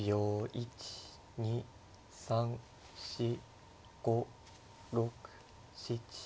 １２３４５６７８。